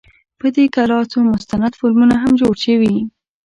په دې کلا څو مستند فلمونه هم جوړ شوي.